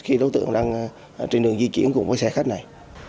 khi đối tượng đang trên đường di chuyển cùng với xe khách này